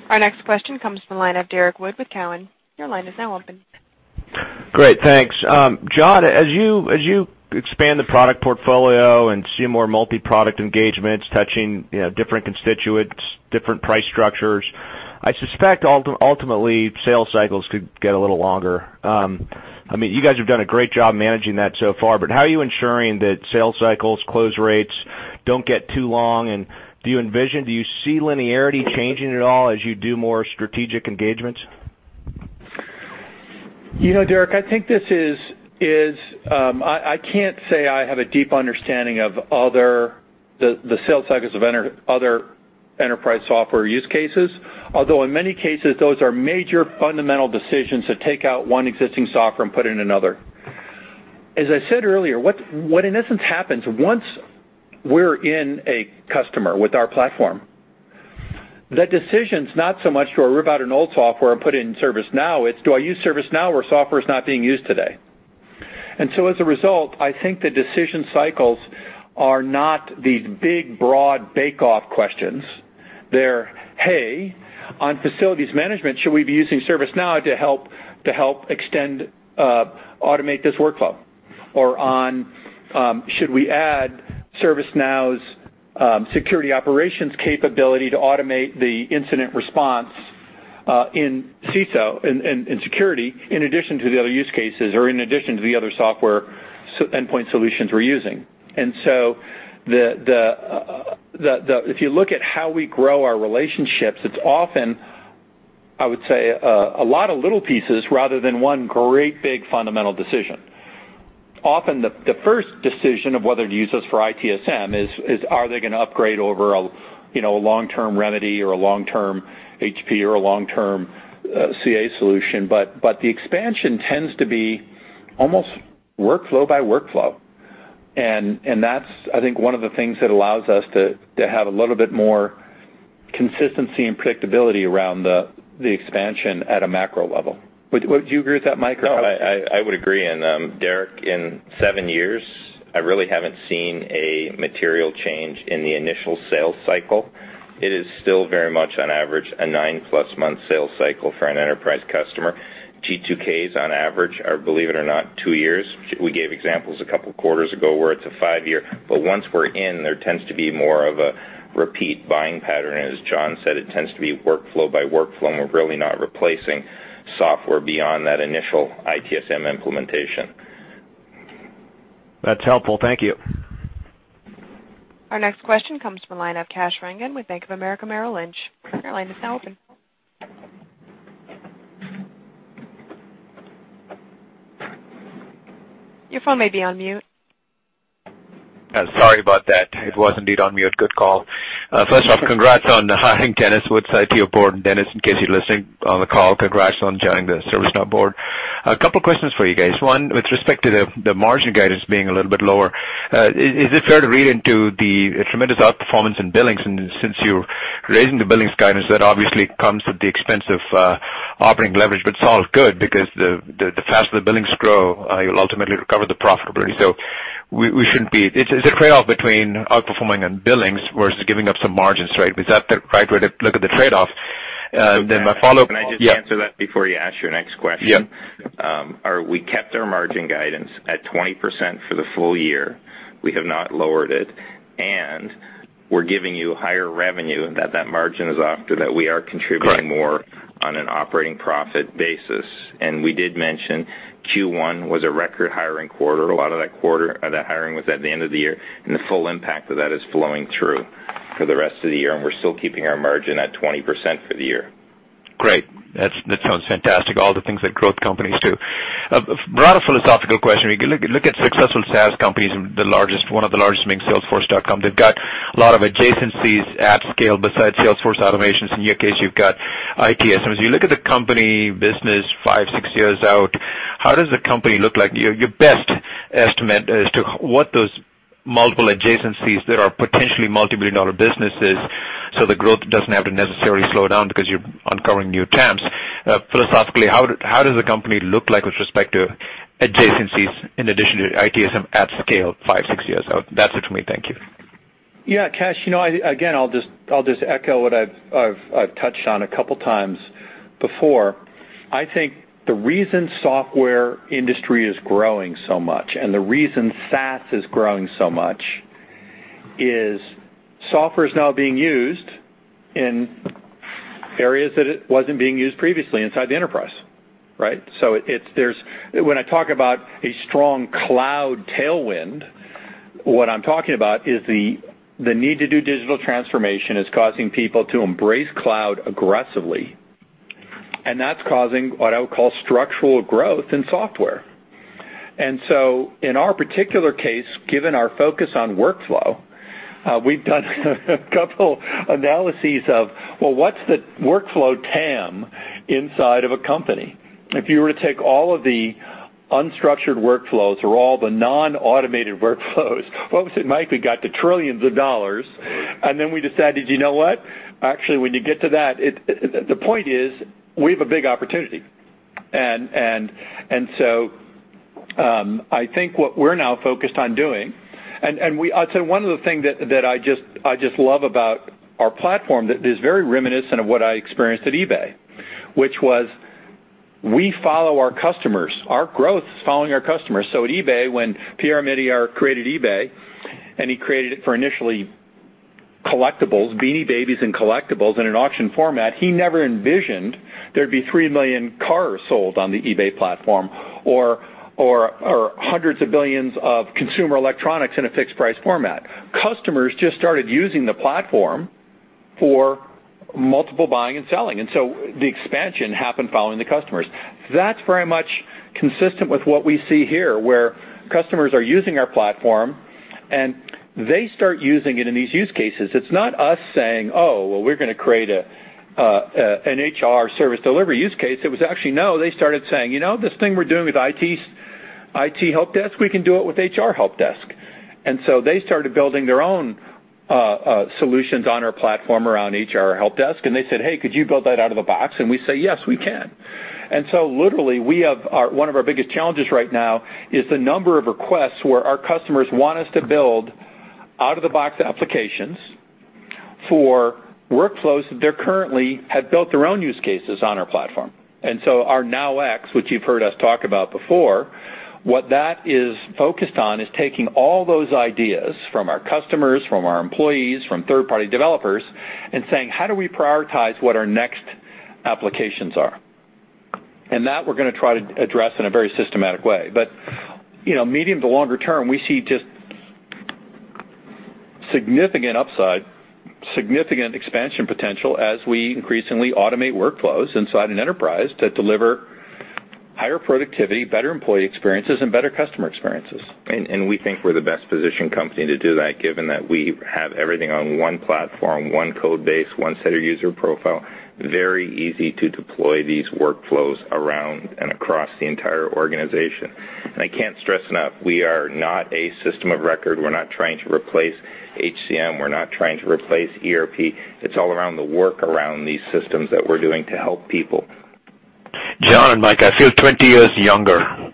Our next question comes from the line of Derrick Wood with Cowen. Your line is now open. Great. Thanks. John, as you expand the product portfolio and see more multi-product engagements touching different constituents, different price structures, I suspect ultimately, sales cycles could get a little longer. You guys have done a great job managing that so far, but how are you ensuring that sales cycles, close rates, don't get too long, and do you envision, do you see linearity changing at all as you do more strategic engagements? Derrick, I can't say I have a deep understanding of the sales cycles of other enterprise software use cases. Although in many cases, those are major fundamental decisions to take out one existing software and put in another. As I said earlier, what in essence happens, once we're in a customer with our platform, the decision's not so much do I rip out an old software and put it in ServiceNow, it's do I use ServiceNow where software is not being used today? As a result, I think the decision cycles are not these big, broad bake-off questions. They're, "Hey, on facilities management, should we be using ServiceNow to help extend, automate this workflow?" Or on, "Should we add ServiceNow's security operations capability to automate the incident response in CISO, in security, in addition to the other use cases or in addition to the other software endpoint solutions we're using?" If you look at how we grow our relationships, it's often, I would say, a lot of little pieces rather than one great big fundamental decision. Often the first decision of whether to use us for ITSM is, are they going to upgrade over a long-term Remedy or a long-term HP or a long-term CA solution? The expansion tends to be almost workflow by workflow. That's, I think, one of the things that allows us to have a little bit more consistency and predictability around the expansion at a macro level. Would you agree with that, Mike? No, I would agree. Derrick, in seven years, I really haven't seen a material change in the initial sales cycle. It is still very much, on average, a nine-plus month sales cycle for an enterprise customer. G2Ks, on average, are, believe it or not, two years. We gave examples a couple of quarters ago where it's a five-year. Once we're in, there tends to be more of a repeat buying pattern. As John said, it tends to be workflow by workflow, and we're really not replacing software beyond that initial ITSM implementation. That's helpful. Thank you. Our next question comes from the line of Kash Rangan with Bank of America Merrill Lynch. Your line is now open. Your phone may be on mute. Sorry about that. It was indeed on mute. Good call. First off, congrats on hiring Dennis Woodside to your board. Dennis, in case you're listening on the call, congrats on joining the ServiceNow board. A couple of questions for you guys. One. With respect to the margin guidance being a little bit lower, is it fair to read into the tremendous outperformance in billings? Since you're raising the billings guidance, that obviously comes at the expense of operating leverage, but it's all good because the faster the billings grow, you'll ultimately recover the profitability. It's a trade-off between outperforming and billings versus giving up some margins, right? Is that the right way to look at the trade-off? Can I just answer that before you ask your next question? Yeah. We kept our margin guidance at 20% for the full year. We have not lowered it. We're giving you higher revenue that margin is after, that we are contributing more. Correct on an operating profit basis. We did mention Q1 was a record hiring quarter. A lot of that hiring was at the end of the year. The full impact of that is flowing through for the rest of the year. We're still keeping our margin at 20% for the year. Great. That sounds fantastic. All the things that growth companies do. Broad philosophical question. Look at successful SaaS companies, one of the largest being Salesforce.com. They've got a lot of adjacencies at scale besides Salesforce automations. In your case, you've got ITSM. As you look at the company business five, six years out, how does the company look like? Your best estimate as to what those multiple adjacencies that are potentially multibillion-dollar businesses, so the growth doesn't have to necessarily slow down because you're uncovering new TAMs. Philosophically, how does the company look like with respect to adjacencies in addition to ITSM at scale, five, six years out? That's it for me. Thank you. Kash, again, I'll just echo what I've touched on a couple of times before. I think the reason software industry is growing so much, the reason SaaS is growing so much is software's now being used in areas that it wasn't being used previously inside the enterprise. Right. The need to do digital transformation is causing people to embrace cloud aggressively, that's causing what I would call structural growth in software. In our particular case, given our focus on workflow, we've done a couple analyses of, well, what's the workflow TAM inside of a company? If you were to take all of the unstructured workflows or all the non-automated workflows, folks, it might have got to $ trillions, we decided, you know what. Actually, when you get to that, the point is, we have a big opportunity. I think what we're now focused on doing, I'll tell you one other thing that I just love about our platform that is very reminiscent of what I experienced at eBay, which was we follow our customers. Our growth is following our customers. At eBay, when Pierre Omidyar created eBay, he created it for initially collectibles, Beanie Babies and collectibles in an auction format, he never envisioned there'd be 3 million cars sold on the eBay platform, or $ hundreds of billions of consumer electronics in a fixed price format. Customers just started using the platform for multiple buying and selling. The expansion happened following the customers. That's very much consistent with what we see here, where customers are using our platform, they start using it in these use cases. It's not us saying, "Oh, well, we're going to create an HR Service Delivery use case." It was actually, no, they started saying, "You know, this thing we're doing with IT help desk, we can do it with HR help desk." They started building their own solutions on our platform around HR help desk, they said, "Hey, could you build that out of the box?" We say, "Yes, we can." Literally, one of our biggest challenges right now is the number of requests where our customers want us to build out-of-the-box applications for workflows that they currently have built their own use cases on our platform. Our NowX, which you've heard us talk about before, what that is focused on is taking all those ideas from our customers, from our employees, from third-party developers, saying, "How do we prioritize what our next applications are?" That we're going to try to address in a very systematic way. Medium to longer term, we see just significant upside, significant expansion potential as we increasingly automate workflows inside an enterprise to deliver higher productivity, better employee experiences, and better customer experiences. We think we're the best positioned company to do that, given that we have everything on one platform, one code base, one set of user profile. Very easy to deploy these workflows around and across the entire organization. I can't stress enough, we are not a system of record. We're not trying to replace HCM. We're not trying to replace ERP. It's all around the work around these systems that we're doing to help people. John, Mike, I feel 20 years younger.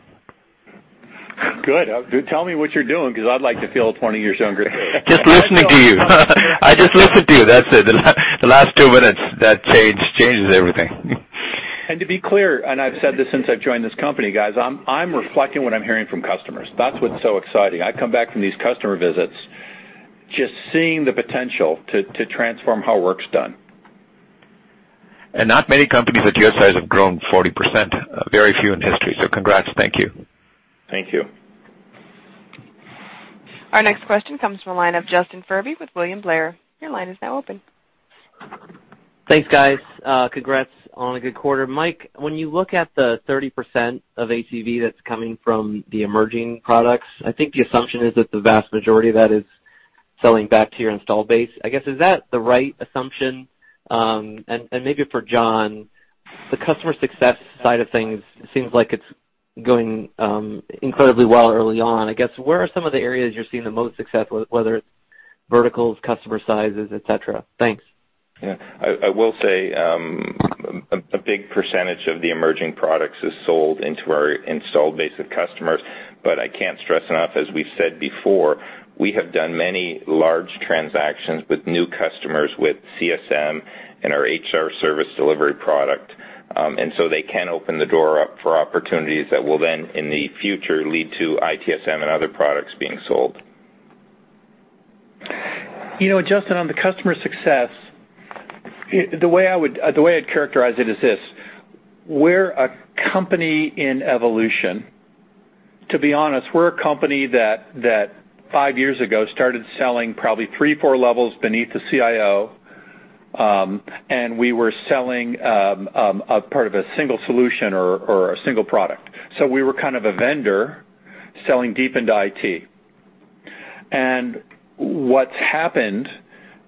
Good. Tell me what you're doing because I'd like to feel 20 years younger. Just listening to you. I just listened to you, that's it. The last two minutes, that changes everything. To be clear, and I've said this since I've joined this company, guys, I'm reflecting what I'm hearing from customers. That's what's so exciting. I come back from these customer visits, just seeing the potential to transform how work's done. Not many companies at your size have grown 40%, very few in history. Congrats. Thank you. Thank you. Our next question comes from the line of Justin Furby with William Blair. Your line is now open. Thanks, guys. Congrats on a good quarter. Mike, when you look at the 30% of ACV that's coming from the emerging products, I think the assumption is that the vast majority of that is selling back to your install base. I guess, is that the right assumption? Maybe for John, the customer success side of things seems like it's going incredibly well early on. I guess, where are some of the areas you're seeing the most success, whether it's verticals, customer sizes, et cetera? Thanks. Yeah. I will say, a big percentage of the emerging products is sold into our installed base of customers. I can't stress enough, as we've said before, we have done many large transactions with new customers with CSM and our HR Service Delivery product. They can open the door up for opportunities that will then, in the future, lead to ITSM and other products being sold. Justin, on the customer success, the way I'd characterize it is this. We're a company in evolution. To be honest, we're a company that five years ago started selling probably three, four levels beneath the CIO, and we were selling part of a single solution or a single product. We were kind of a vendor selling deep into IT. What's happened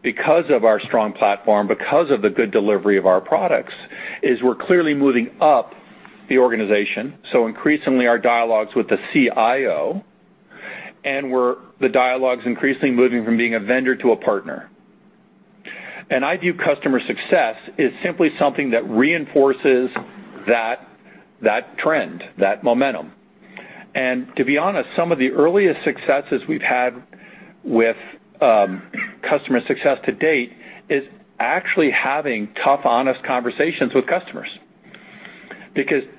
because of our strong platform, because of the good delivery of our products, is we're clearly moving up the organization. Increasingly, our dialogues with the CIO, and the dialogue's increasingly moving from being a vendor to a partner. I view customer success is simply something that reinforces that trend, that momentum. To be honest, some of the earliest successes we've had with customer success to date is actually having tough, honest conversations with customers.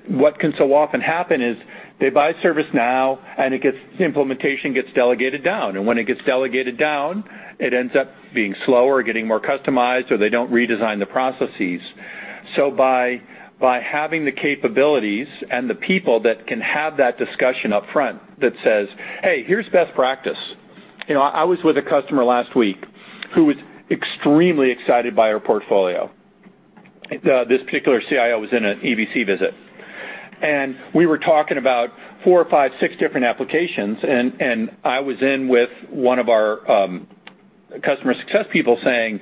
What can so often happen is they buy ServiceNow, and the implementation gets delegated down. When it gets delegated down, it ends up being slower, getting more customized, or they don't redesign the processes. By having the capabilities and the people that can have that discussion up front that says, "Hey, here's best practice." I was with a customer last week who was extremely excited by our portfolio. This particular CIO was in an EBC visit. We were talking about four or five, six different applications, and I was in with one of our customer success people saying,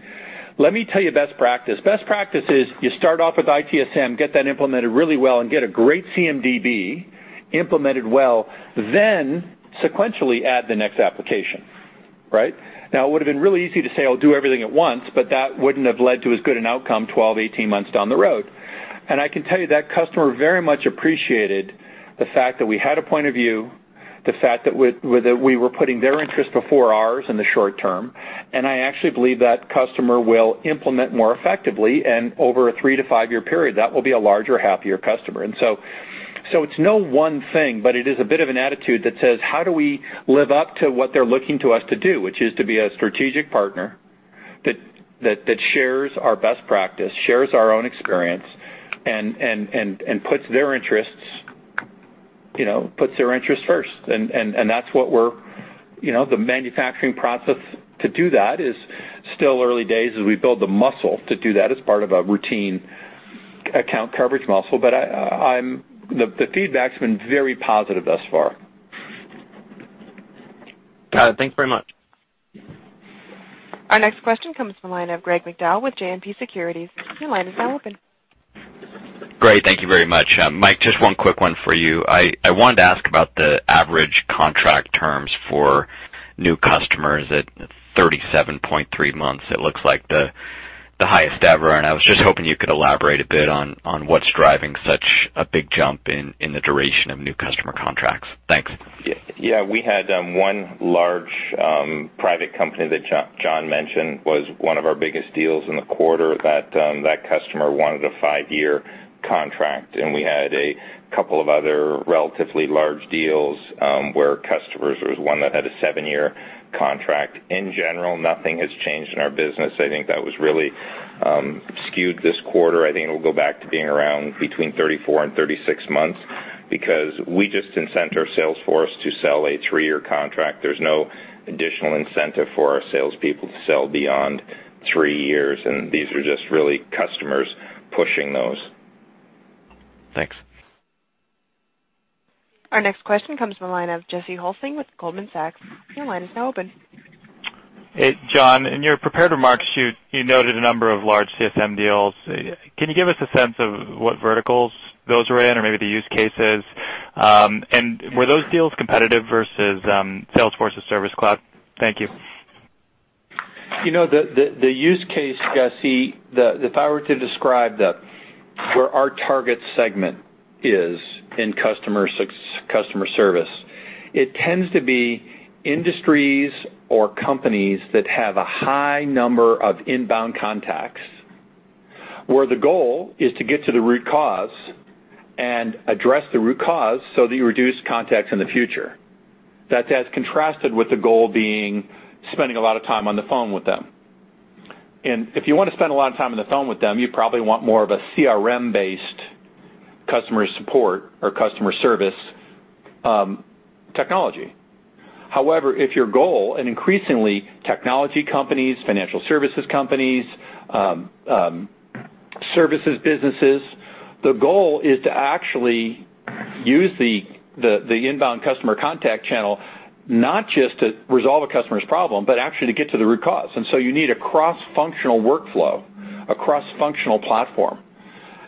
"Let me tell you best practice. Best practice is you start off with ITSM, get that implemented really well, and get a great CMDB implemented well, then sequentially add the next application." Right? It would've been really easy to say, "I'll do everything at once," but that wouldn't have led to as good an outcome 12, 18 months down the road. I can tell you that customer very much appreciated the fact that we had a point of view, the fact that we were putting their interest before ours in the short term, and I actually believe that customer will implement more effectively, and over a three to five-year period, that will be a larger, happier customer. It's no one thing, but it is a bit of an attitude that says, how do we live up to what they're looking to us to do, which is to be a strategic partner that shares our best practice, shares our own experience, and puts their interests first. The manufacturing process to do that is still early days as we build the muscle to do that as part of a routine account coverage muscle. The feedback's been very positive thus far. Thanks very much. Our next question comes from the line of Gregory McDowell with JMP Securities. Your line is now open. Great. Thank you very much. Mike, just one quick one for you. I wanted to ask about the average contract terms for new customers at 37.3 months. It looks like the highest ever. I was just hoping you could elaborate a bit on what's driving such a big jump in the duration of new customer contracts. Thanks. Yeah. We had one large private company that John mentioned was one of our biggest deals in the quarter. That customer wanted a five-year contract, and we had a couple of other relatively large deals where customers, there was one that had a seven-year contract. In general, nothing has changed in our business. I think that was really skewed this quarter. I think it'll go back to being around between 34 and 36 months because we just incent our sales force to sell a three-year contract. There's no additional incentive for our salespeople to sell beyond three years, and these are just really customers pushing those. Thanks. Our next question comes from the line of Jesse Hulsing with Goldman Sachs. Your line is now open. Hey, John. In your prepared remarks, you noted a number of large CSM deals. Can you give us a sense of what verticals those were in, or maybe the use cases? Were those deals competitive versus Salesforce's Service Cloud? Thank you. The use case, Jesse, if I were to describe where our target segment is in customer service, it tends to be industries or companies that have a high number of inbound contacts, where the goal is to get to the root cause and address the root cause so that you reduce contacts in the future. That's as contrasted with the goal being spending a lot of time on the phone with them. If you want to spend a lot of time on the phone with them, you probably want more of a CRM-based customer support or customer service technology. However, if your goal, and increasingly technology companies, financial services companies, services businesses, the goal is to actually use the inbound customer contact channel not just to resolve a customer's problem, but actually to get to the root cause. You need a cross-functional workflow, a cross-functional platform.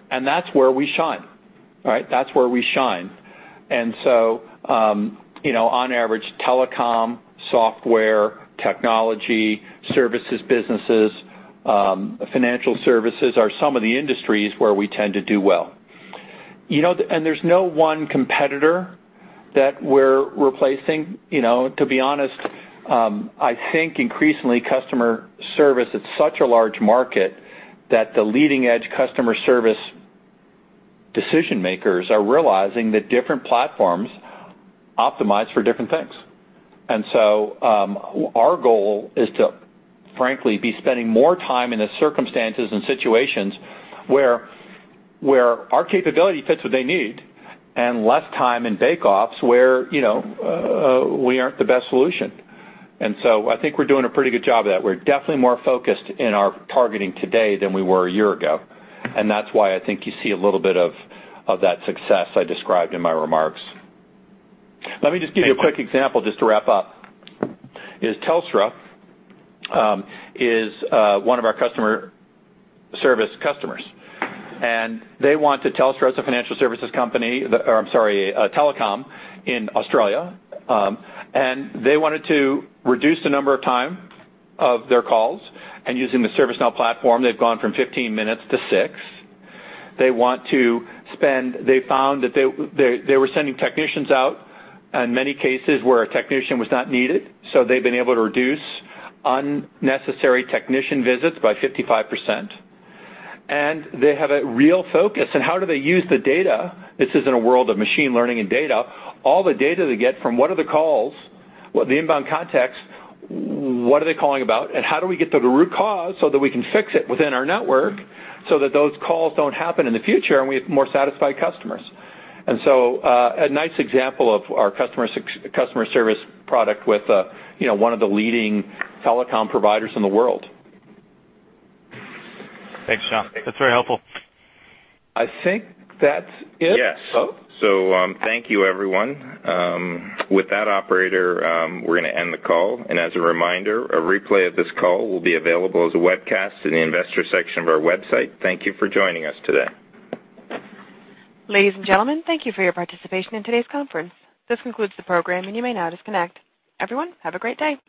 That's where we shine. Right? That's where we shine. On average, telecom, software, technology, services businesses, financial services are some of the industries where we tend to do well. There's no one competitor that we're replacing. To be honest, I think increasingly, customer service, it's such a large market that the leading-edge customer service decision-makers are realizing that different platforms optimize for different things. Our goal is to, frankly, be spending more time in the circumstances and situations where our capability fits what they need and less time in bake-offs where we aren't the best solution. I think we're doing a pretty good job of that. We're definitely more focused in our targeting today than we were a year ago, that's why I think you see a little bit of that success I described in my remarks. Let me just give you a quick example just to wrap up, is Telstra is one of our Customer Service customers. Telstra is a financial services company, or I'm sorry, a telecom in Australia. They wanted to reduce the number of time of their calls, using the ServiceNow platform, they've gone from 15 minutes to six. They found that they were sending technicians out in many cases where a technician was not needed, so they've been able to reduce unnecessary technician visits by 55%. They have a real focus on how do they use the data, this is in a world of machine learning and data, all the data they get from what are the calls, the inbound contacts, what are they calling about, and how do we get to the root cause so that we can fix it within our network so that those calls don't happen in the future and we have more satisfied customers. A nice example of our Customer Service product with one of the leading telecom providers in the world. Thanks, John. That's very helpful. I think that's it. Yes. Thank you, everyone. With that, operator, we're going to end the call. As a reminder, a replay of this call will be available as a webcast in the investor section of our website. Thank you for joining us today. Ladies and gentlemen, thank you for your participation in today's conference. This concludes the program, and you may now disconnect. Everyone, have a great day.